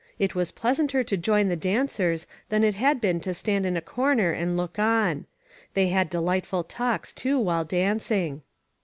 It was pleasanter to join the dancers than it had been to stand in a corner and look on. They had delightful talks, too, while dancing.